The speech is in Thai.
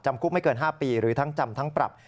คุกไม่เกิน๕ปีหรือทั้งจำทั้งปรับ